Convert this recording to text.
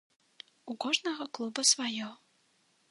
У кожнага клуба сваё.